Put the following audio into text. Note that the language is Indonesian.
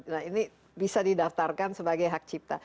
nah ini bisa didaftarkan sebagai hak cipta